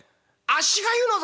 「あっしが言うの？